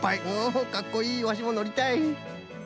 おかっこいいワシものりたい。